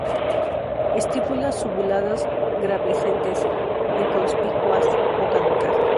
Estípulas subuladas, glabrescentes, inconspicuas o caducas.